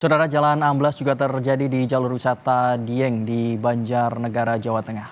saudara jalan ambles juga terjadi di jalur usata dieng di banjar negara jawa tengah